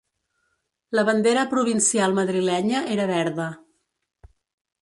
La bandera provincial madrilenya era verda.